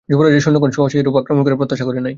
যুবরাজের সৈন্যগণ সহসা এরূপ আক্রমণ প্রত্যাশা করে নাই।